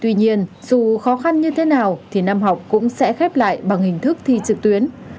tuy nhiên dù khó khăn như thế nào thì năm học cũng sẽ khép lại bằng hình thức thi trực tuyến